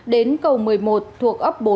đến cầu một mươi một thuộc ấp bốn